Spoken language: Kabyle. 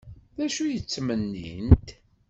D acu ay ttmennint?